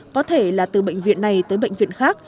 có thể là từ bệnh viện này tới bệnh viện khác